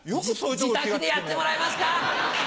自宅でやってもらえますか！